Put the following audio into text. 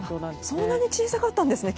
そんなに小さかったんですね。